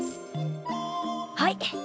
はい！